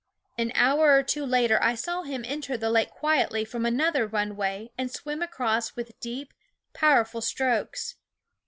An hour or two later I saw him enter the lake quietly from another runway and swim across with deep, powerful strokes.